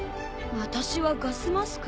私はガスマスク。